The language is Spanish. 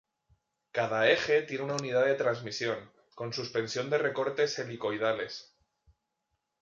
Cada eje tiene una unidad de transmisión, con suspensión de resortes helicoidales.